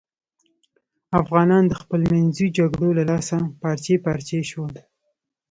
افغانان د خپلمنځیو جگړو له لاسه پارچې پارچې شول.